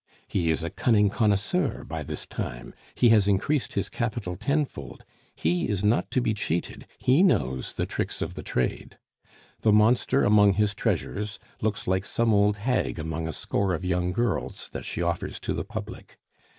He is a cunning connoisseur by this time; he has increased his capital tenfold; he is not to be cheated; he knows the tricks of the trade. The monster among his treasures looks like some old hag among a score of young girls that she offers to the public.